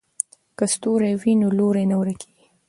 که ستوری وي نو لوری نه ورکیږي.